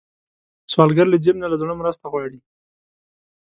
سوالګر له جیب نه، له زړه مرسته غواړي